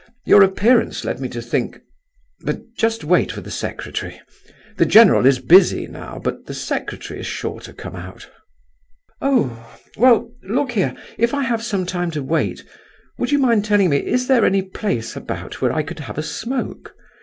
Your appearance led me to think—but just wait for the secretary; the general is busy now, but the secretary is sure to come out." "Oh—well, look here, if I have some time to wait, would you mind telling me, is there any place about where I could have a smoke?